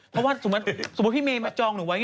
เพราะว่าสมมติสมมติพี่เมย์มันจองหนูไว้ไง